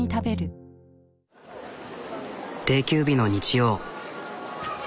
定休日の日曜。